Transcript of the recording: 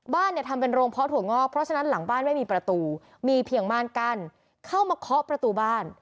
เนี่ยทำเป็นโรงเพาะถั่วงอกเพราะฉะนั้นหลังบ้านไม่มีประตูมีเพียงม่านกั้นเข้ามาเคาะประตูบ้าน